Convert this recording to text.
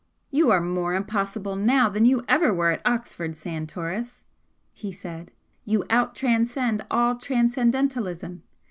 "You are more impossible now than you ever were at Oxford, Santoris!" he said "You out transcend all transcendentalism!